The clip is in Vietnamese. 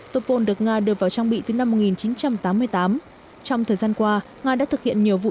topol được nga đưa vào trang bị từ năm một nghìn chín trăm tám mươi tám trong thời gian qua nga đã thực hiện nhiều vụ